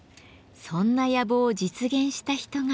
そんな野望を実現した人が。